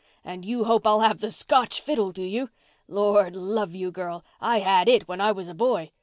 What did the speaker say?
And you hope I'll have the Scotch fiddle, do you? Lord love you, girl, I had it when I was a boy.